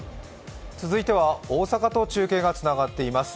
続いては大阪と中継がつながっています。